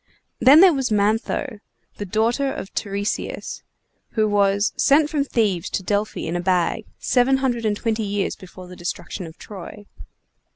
Then there was Mantho, the daughter of Tiresias, who was sent from Thebes to Delphi in a bag, seven hundred and twenty years before the destruction of Troy.